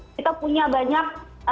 kita punya banyak